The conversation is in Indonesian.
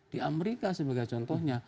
di amerika sebagai contohnya